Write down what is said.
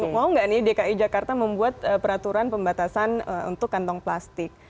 mau nggak nih dki jakarta membuat peraturan pembatasan untuk kantong plastik